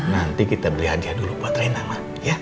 nanti kita beli hadiah dulu buat rena ma